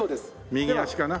右足かな。